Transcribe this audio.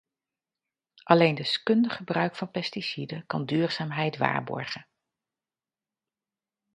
Alleen deskundig gebruik van pesticiden kan duurzaamheid waarborgen.